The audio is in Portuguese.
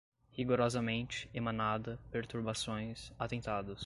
rigorosamente, emanada, perturbações, atentados